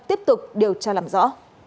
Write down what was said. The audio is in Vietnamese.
tiếp tục điều tra làm rõ